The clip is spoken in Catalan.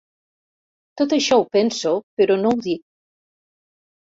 Tot això ho penso però no ho dic.